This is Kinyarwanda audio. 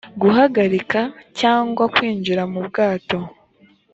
guhagarika cyangwa kwinjira mu bwato